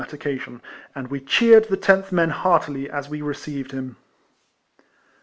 179 that occasion, and we cheered the 10th men heartily as we received him.